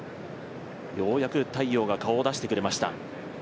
ようやく太陽が顔を出してくれました。